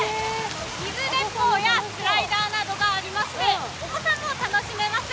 水鉄砲やスライダーなどがありましてお子さんも楽しめます。